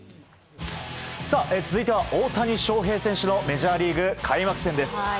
続いては大谷翔平選手のメジャーリーグ開幕戦です。